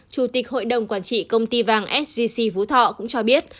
chủ tịch hội đồng quản trị công ty vàng sgc phú thọ cũng cho biết